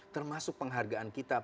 termasuk penghargaan kita